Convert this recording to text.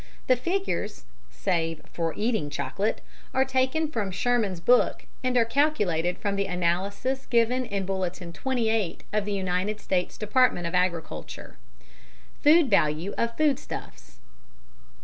The figures (save for "eating" chocolate) are taken from Sherman's book, and are calculated from the analyses given in Bulletin 28 of the United States Department of Agriculture: FUEL VALUE OF FOODSTUFFS.